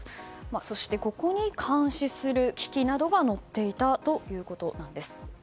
そして、ここに監視する機器などが載っていたということです。